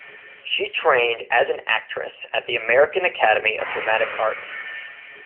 She trained as an actress at the American Academy of Dramatic Arts.